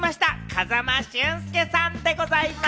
風間俊介さんでございます！